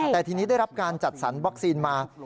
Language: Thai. แต่ทีนี้ได้รับการจัดสรรวัคซีนมา